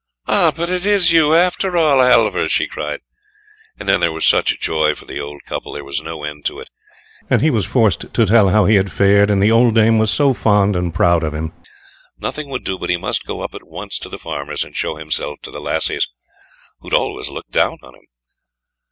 "Ah! but it is you after all, Halvor?" she cried; and then there was such joy for the old couple, there was no end to it; and he was forced to tell how he had fared, and the old dame was so fond and proud of him, nothing would do but he must go up at once to the farmer's, and show himself to the lassies, who had always looked down on him.